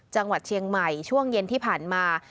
จังหวัดเชียงใหม่ช่วงเย็นที่ผ่านมา